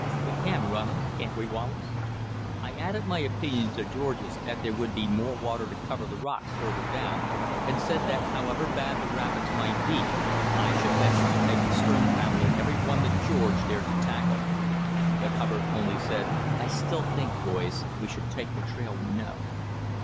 We can run 'em, can't we, Wallace?" I added my opinion to George's that there would be more water to cover the rocks farther down, and said that however bad the rapids might be I should venture to take the stern paddle in every one that George dared to tackle. But Hubbard only said: "I still think, boys, we should take the trail we know."